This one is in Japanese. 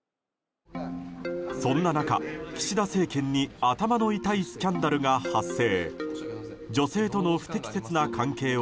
そんな中、岸田政権に頭の痛いスキャンダルが発生。